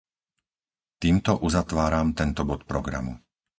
Týmto uzatváram tento bod programu.